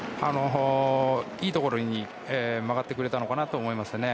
いいところに曲がってくれたのかなと思いましたね。